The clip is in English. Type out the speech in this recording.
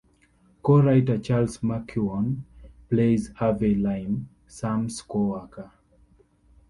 Co-writer Charles McKeown plays Harvey Lime, Sam's co-worker.